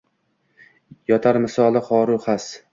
Yotar misli xoru xas